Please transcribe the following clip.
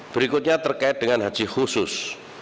berikutnya terkait dengan haji khusus